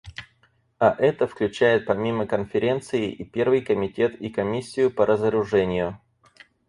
А это включает помимо Конференции и Первый комитет и Комиссию по разоружению.